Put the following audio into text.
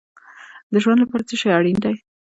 د ژوند لپاره څه شی اړین دی؟